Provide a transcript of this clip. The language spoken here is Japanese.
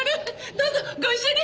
どうぞご一緒に。